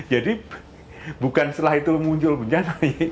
jadi bukan setelah itu muncul bencana